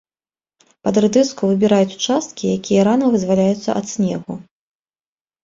Пад радыску выбіраюць участкі, якія рана вызваляюцца ад снегу.